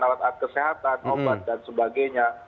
alat alat kesehatan obat dan sebagainya